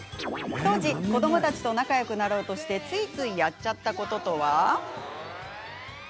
当時、子どもたちと仲よくなろうとしてついつい、やっちゃったこととは？